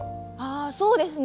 そうですね。